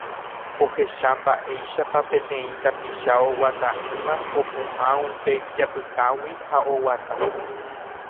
ohecha mba'éichapa peteĩ tapicha oguata'ỹva opu'ã upe ijapykágui ha oguata.